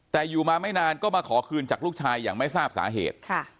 แต่อยู่มาไม่นานก็มาขอคืนจากลูกชายอย่างไม่ทราบสาเหตุ